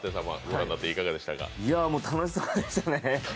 楽しそうでしたね。